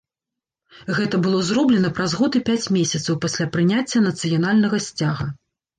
Гэта было зроблена праз год і пяць месяцаў пасля прыняцця нацыянальнага сцяга.